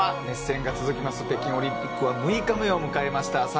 熱戦が続く北京オリンピックは６日目を迎えました。